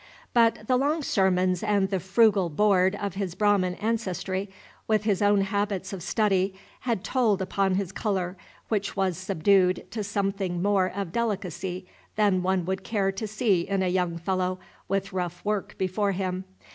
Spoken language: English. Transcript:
But the long sermons and the frugal board of his Brahmin ancestry, with his own habits of study, had told upon his color, which was subdued to something more of delicacy than one would care to see in a young fellow with rough work before him.